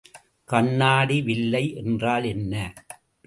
கண்ணாடி வில்லை என்றால் என்ன?